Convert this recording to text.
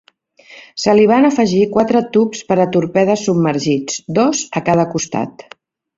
Se li van afegir quatre tubs per a torpedes submergits, dos a cada costat.